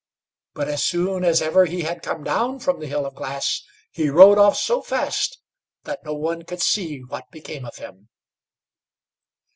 But, as soon as ever he had come down from the Hill of Glass, he rode off so fast that no one could see what became of him.